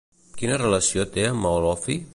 Quina relació té amb Olofi?